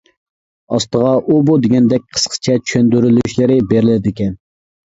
ئاستىغا ئۇ-بۇ دېگەندەك قىسقىچە چۈشەندۈرۈشلىرى بېرىلىدىكەن.